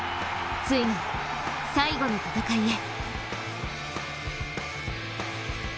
ついに最後の戦いへ。